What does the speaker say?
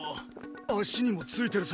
足にも付いてるぞ。